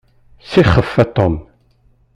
Sixef a Tom.